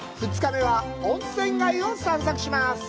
２日目は、温泉街を散策します。